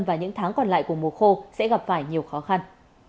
và những tháng còn lại của mùa khô sẽ gặp phải nhiều khó khăn